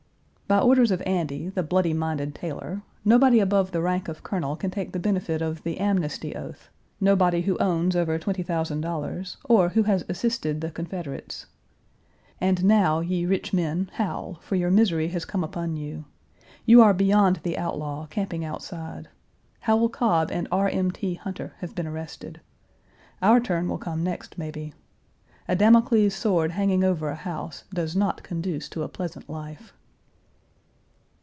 By orders of Andy, the bloody minded tailor, nobody above the rank of colonel can take the benefit of the amnesty oath, nobody who owns over twenty thousand dollars, or who has assisted the Confederates. And now, ye rich men, howl, for your misery has come upon you. You are beyond the outlaw, camping outside. Howell Cobb and R. M. T. Hunter have been arrested. Our turn will come next, maybe. A Damocles sword hanging over a house does not conduce to a pleasant life.